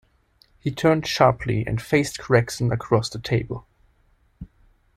He turned sharply, and faced Gregson across the table.